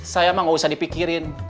saya emang gak usah dipikirin